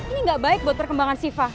ini gak baik buat perkembangan sifah